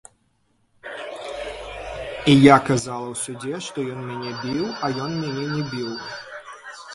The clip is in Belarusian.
І я казала ў судзе, што ён мяне біў, а ён мяне не біў!